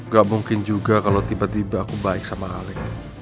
ga mungkin juga kalo tiba tiba aku baik sama alex